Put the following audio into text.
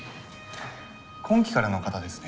今期からの方ですね？